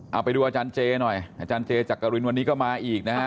เอาไปดูอาจารย์เจหน่อยอาจารย์เจจักรินวันนี้ก็มาอีกนะฮะ